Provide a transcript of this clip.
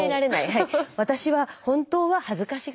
はい。